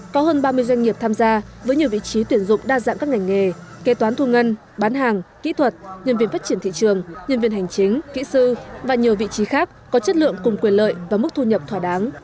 có hơn ba mươi doanh nghiệp tham gia với nhiều vị trí tuyển dụng đa dạng các ngành nghề kế toán thu ngân bán hàng kỹ thuật nhân viên phát triển thị trường nhân viên hành chính kỹ sư và nhiều vị trí khác có chất lượng cùng quyền lợi và mức thu nhập thỏa đáng